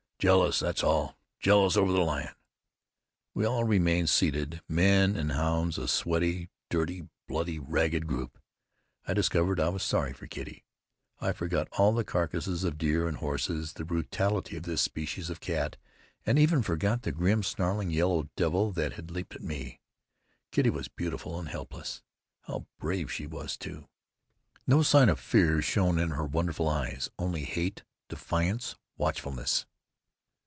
"Jealous, that's all. Jealous over the lion." We all remained seated, men and hounds, a sweaty, dirty, bloody, ragged group. I discovered I was sorry for Kitty. I forgot all the carcasses of deer and horses, the brutality of this species of cat; and even forgot the grim, snarling yellow devil that had leaped at me. Kitty was beautiful and helpless. How brave she was, too! No sign of fear shone in her wonderful eyes, only hate, defiance, watchfulness.